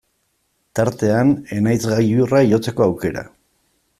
Tartean Enaitz gailurra igotzeko aukera.